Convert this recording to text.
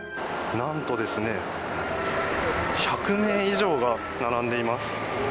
何とですね１００名以上が並んでいます。